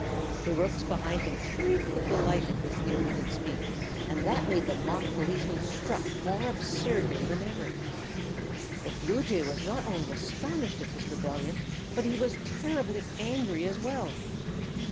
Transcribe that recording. The rooks behind him shrieked with delight at this impudent speech, and that made the mock policeman strut more absurdly than ever. The bluejay was not only astonished at this rebellion but he was terribly angry as well.